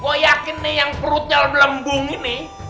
gue yakin nih yang perutnya melembung ini